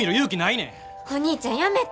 お兄ちゃんやめて。